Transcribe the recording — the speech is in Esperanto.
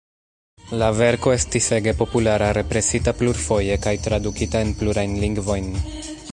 La verko estis ege populara--represita plurfoje kaj tradukita en plurajn lingvojn.